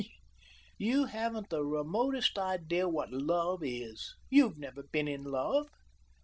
"You haven't the remotest idea what love is. You've never been in love."